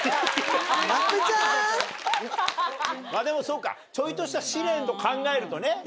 でもそうかちょいとした試練と考えるとね。